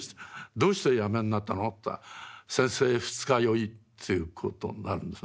「どうしてやめになったの？」って言ったら先生二日酔いということなんですね。